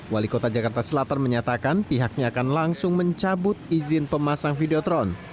wali kota jakarta selatan menyatakan pihaknya akan langsung mencabut izin pemasang videotron